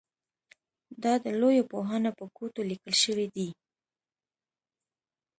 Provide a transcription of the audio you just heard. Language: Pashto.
دا د لویو پوهانو په ګوتو لیکل شوي دي.